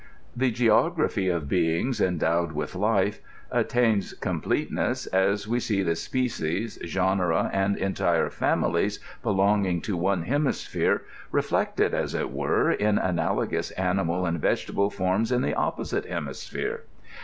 The geography of beings endow ' INTRODUCTION. 61 ed with life attains eompleteneflis as *W6 see the species^ genera,' and entire families belonging to one hemisphere, reflected, as it were, in analogous animal and vegetable f<3^nm in the oppo site hemisphere.